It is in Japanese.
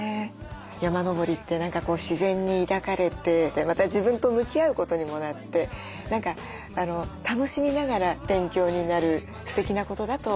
山登りって何かこう自然に抱かれてまた自分と向き合うことにもなって何か楽しみながら勉強になるすてきなことだと思わせて頂きました。